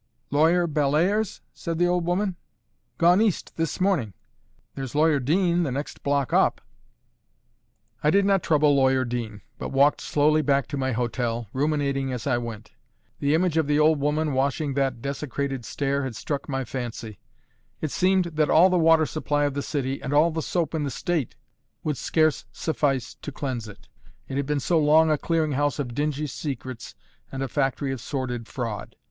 "Lawyer Bellairs?" said the old woman. "Gone East this morning. There's Lawyer Dean next block up." I did not trouble Lawyer Dean, but walked slowly back to my hotel, ruminating as I went. The image of the old woman washing that desecrated stair had struck my fancy; it seemed that all the water supply of the city and all the soap in the State would scarce suffice to cleanse it, it had been so long a clearing house of dingy secrets and a factory of sordid fraud.